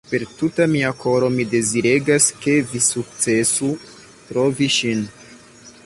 Per tuta mia koro mi deziregas, ke vi sukcesu trovi ŝin.